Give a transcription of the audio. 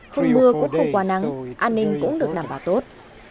không mưa cũng không quá nắng an ninh cũng được đảm bảo tốt